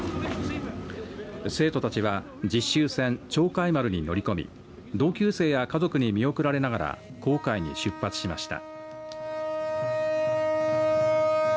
生徒たちは実習船、鳥海丸に乗り込み同級生や家族に見送られながら航海に出発しました。